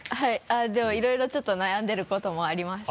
あっでもいろいろちょっと悩んでることもあります。